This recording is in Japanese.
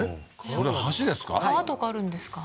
それ橋ですか？